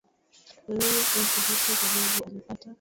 na mimi kuwasilisha kwa jaji alupata